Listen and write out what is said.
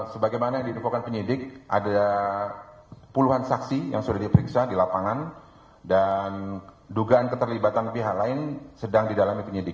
sebagaimana yang diinfokan penyidik ada puluhan saksi yang sudah diperiksa di lapangan dan dugaan keterlibatan pihak lain sedang didalami penyidik